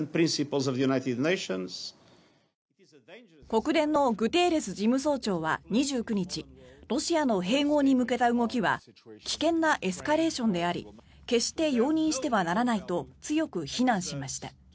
国連のグテーレス事務総長は２９日ロシアの併合に向けた動きは危険なエスカレーションであり決して容認してはならないと強く非難しました。